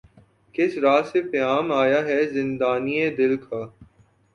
کس رہ سے پیام آیا ہے زندانئ دل کا